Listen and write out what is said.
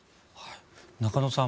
中野さん